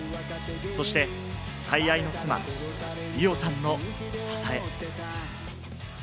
そして最愛の妻・伊代さんの支え。